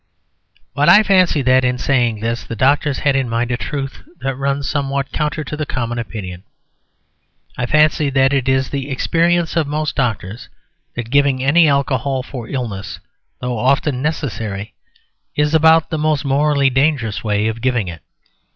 But I fancy that, in saying this, the doctors had in mind a truth that runs somewhat counter to the common opinion. I fancy that it is the experience of most doctors that giving any alcohol for illness (though often necessary) is about the most morally dangerous way of giving it.